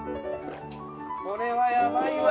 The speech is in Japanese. これはやばいわ。